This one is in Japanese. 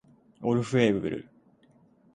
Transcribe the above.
オルフェーヴル